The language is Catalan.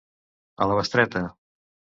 A la bestreta.